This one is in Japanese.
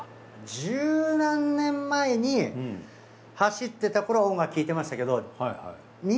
十何年前に走ってた頃は音楽聴いてましたけど。